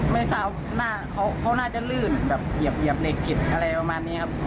ไม่ทราบหน้าเขาน่าจะลื่นแบบเหยียบเหล็กผิดอะไรประมาณนี้ครับ